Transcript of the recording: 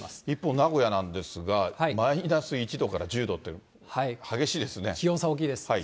一方、名古屋なんですが、マイナス１度から１０度という、激気温差大きいです。